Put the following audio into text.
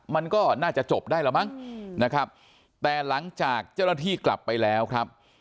มันก็น่าจะจบได้แล้วมั้งนะครับแต่หลังจากเจ้าหน้าที่กลับไปแล้วครับ